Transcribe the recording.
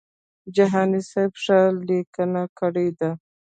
جهاني سیب ښه لیکنه کړې ده.